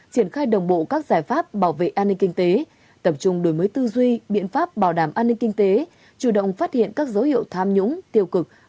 triển khai đồng bộ các giải pháp bảo vệ an ninh kinh tế tập trung đổi mới tư duy biện pháp bảo đảm an ninh kinh tế